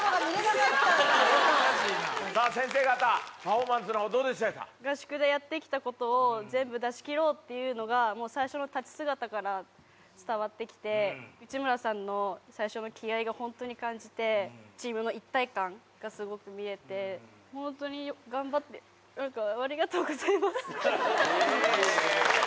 さあ、先生方、パフォーマン合宿でやってきたことを全部出し切ろうっていうのが、もう最初の立ち姿から伝わってきて、内村さんの最初の気合いが本当に感じて、チームの一体感がすごく見えて、本当に頑張って、なんかありがとうございます。